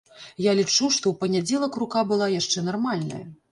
Я лічу, што ў панядзелак рука была яшчэ нармальная.